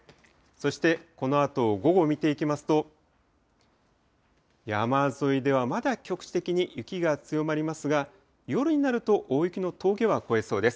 そしてこのあと午後見ていきますと、山沿いではまだ局地的に雪が強まりますが、夜になると大雪の峠は越えそうです。